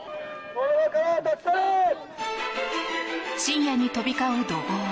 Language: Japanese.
深夜に飛び交う怒号。